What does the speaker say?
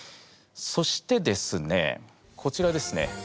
そしてですねこちらですね